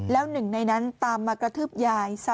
แล้วหนึ่งในนั้นตามมากระทืบยายซะ